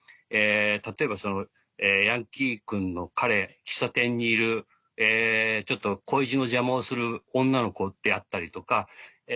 例えばヤンキー君の彼喫茶店にいるちょっと恋路の邪魔をする女の子ってあったりとか。